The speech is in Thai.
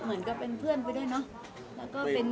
เหมือนกับเพื่อนเป้นเนอะ